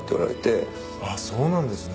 あっそうなんですね。